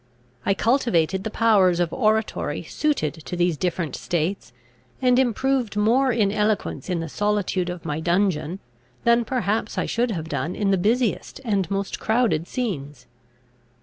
I cultivated the powers of oratory suited to these different states, and improved more in eloquence in the solitude of my dungeon, than perhaps I should have done in the busiest and most crowded scenes.